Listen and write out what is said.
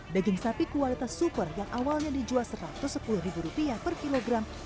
daging sapi kualitas super yang awalnya dijual rp satu ratus sepuluh per kilogram